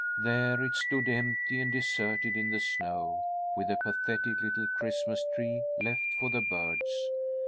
There it stood, empty and deserted in the snow, with the pathetic little Christmas tree, left for the birds.